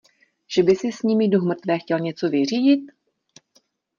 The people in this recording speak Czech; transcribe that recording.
Že by si s nimi duch mrtvé chtěl něco vyřídit?